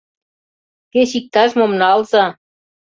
— Кеч иктаж-мом налза!